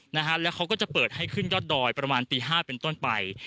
นะฮะแล้วเขาก็จะเปิดให้ขึ้นยอดดอยประมาณตีห้าเป็นต้นไป